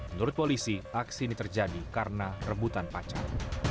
menurut polisi aksi ini terjadi karena rebutan pacar